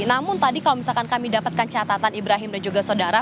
namun tadi kalau misalkan kami dapatkan catatan ibrahim dan juga saudara